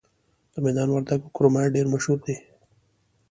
د میدان وردګو کرومایټ ډیر مشهور دی.